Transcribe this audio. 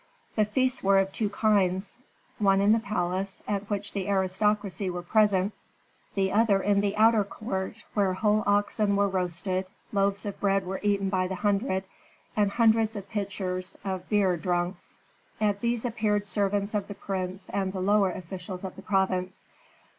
The feasts were of two kinds, one in the palace, at which the aristocracy were present; the other in the outer court, where whole oxen were roasted, loaves of bread were eaten by the hundred, and hundreds of pitchers of beer drunk. At these appeared servants of the prince and the lower officials of the province.